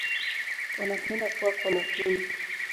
Wanapenda kuwa kwa makundi.